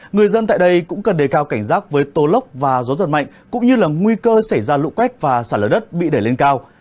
người dân tại đây cũng cần đề cao cảnh giác với tô lốc và gió giật mạnh cũng như là nguy cơ xảy ra lũ quét và xả lở đất bị đẩy lên cao